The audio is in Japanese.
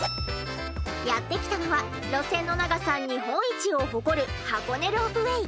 やって来たのは路線の長さ日本一を誇る箱根ロープウェイ。